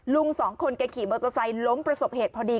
ลุงสองคนแกขี่มอเตอร์ไซค์ล้มประสบเหตุพอดี